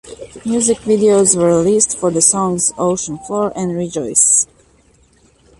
Music videos were released for the songs "Ocean Floor" and "Rejoice".